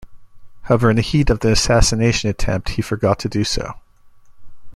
However, in the heat of the assassination attempt, he forgot to do so.